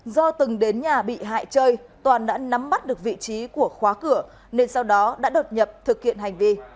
do từng đến nhà bị hại chơi toàn đã nắm bắt được vị trí của khóa cửa nên sau đó đã đột nhập thực hiện hành vi